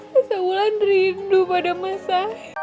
saya ulang rindu pada masa